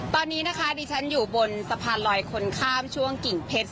ตอนนี้นะคะดิฉันอยู่บนสะพานลอยคนข้ามช่วงกิ่งเพชร